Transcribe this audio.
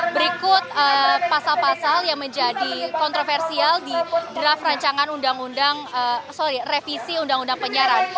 berikut pasal pasal yang menjadi kontroversial di draft rancangan undang undang sorry revisi undang undang penyiaran